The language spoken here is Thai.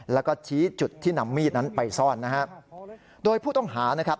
แล้วก็ชี้จุดที่นำมีดนั้นไปซ่อนนะฮะโดยผู้ต้องหานะครับ